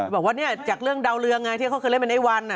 บอกว่าเนี่ยจากเรื่องดาวเรืองไงที่เขาเคยเล่นเป็นไอ้วัน